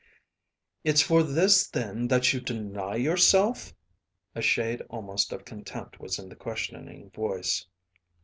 "It's for this then that you deny yourself?" A shade almost of contempt was in the questioning voice.